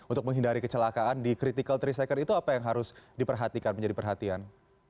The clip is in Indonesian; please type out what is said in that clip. untuk menghindari kecelakaan di critical tiga second itu apa yang harus diperhatikan menjadi perhatian